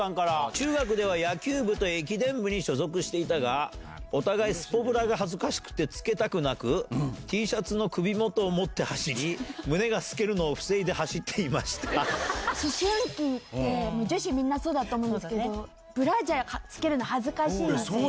中学では野球部と駅伝部に所属していたが、お互いスポブラが恥ずかしくてつけたくなく、Ｔシャツの首元を持って走り、胸が透けるのを防いで走ってまし思春期って、女子みんなそうだと思うんですけど、ブラジャーつけるの恥ずかしいんですね。